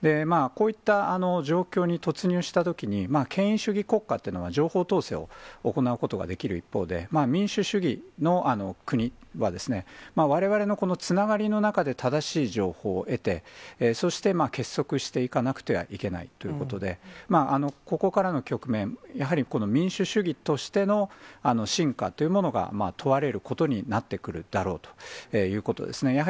こういった状況に突入したときに、権威主義国家というのは、情報統制を行うことができる一方で、民主主義の国は、われわれのつながりの中で正しい情報を得て、そして結束していかなくてはいけないということで、ここからの局面、やはりこの民主主義としての進化というものが問われることになってくるだろうということですね。